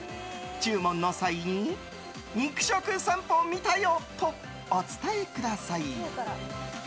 注文の際に肉食さんぽ見たよとお伝えください。